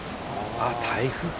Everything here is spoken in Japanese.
あっ台風か。